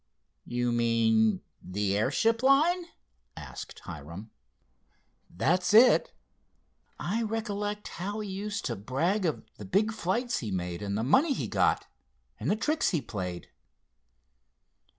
"You mean the airship line?" asked Hiram. "That's it. I recollect how he used to brag of the big flights he made, and the money he got, and the tricks he played."